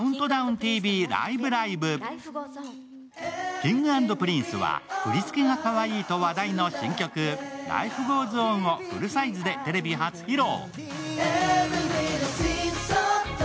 Ｋｉｎｇ＆Ｐｒｉｎｃｅは振り付けがかわいいと話題の新曲「Ｌｉｆｅｇｏｅｓｏｎ」をフルサイズでテレビ初披露。